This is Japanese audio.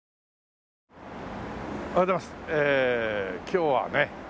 今日はね